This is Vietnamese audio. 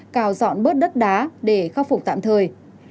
cào dọn bớt đất đá để khắc phục tạm thời